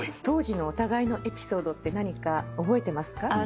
当時のお互いのエピソードって何か覚えてますか？